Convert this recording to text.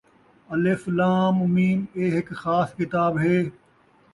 الف لام میم ۔ ایہ ہِک خاص کتاب ہے،